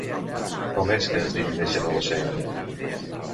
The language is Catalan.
Com és que es dirigeixen a l'oceà?